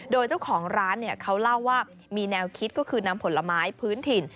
โดยเจ้าของร้านเขาเล่าว่ามีแนวคิดก็คือนำผลไม้พื้นถิ่น